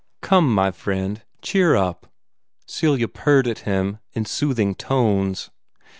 "Come, my friend, cheer up," Celia purred at him, in soothing tones.